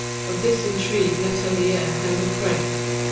Of this intrigue Letellier held the thread.